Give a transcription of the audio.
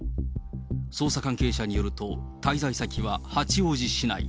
捜査関係者によると、滞在先は八王子市内。